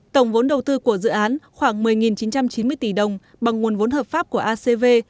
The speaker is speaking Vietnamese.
tổng vốn đầu tư của dự án khoảng một mươi chín trăm chín mươi tỷ đồng bằng nguồn vốn hợp pháp của acv